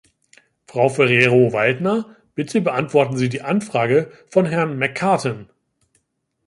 Frau Ferrero-Waldner, bitte beantworten Sie die Anfrage von Herrn McCartin.